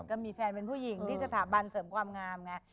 ก็มีแฟนเป็นผู้หญิงที่สถาบันเสริมความงามไง